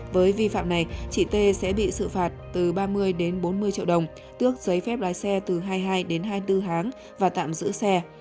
với vi phạm này chị t sẽ bị xử phạt từ ba mươi đến bốn mươi triệu đồng tước giấy phép lái xe từ hai mươi hai đến hai mươi bốn tháng và tạm giữ xe